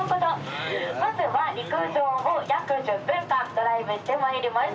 まずは陸上を約１０分間ドライブしてまいります。